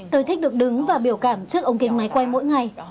tôi thích được đứng và biểu cảm trước ống kênh máy quay mỗi ngày